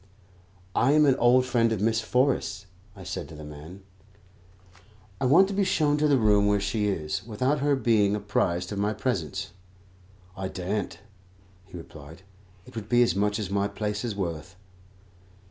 "I am an old friend of Miss Forrest's," I said to the man; "I want to be shown to the room where she is, without her being apprised of my presence." "I daren't," he replied; "it would be as much as my place is worth."